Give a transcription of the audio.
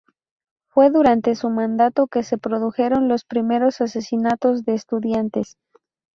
Fue durante su mandato que se produjeron los primeros asesinatos de estudiantes.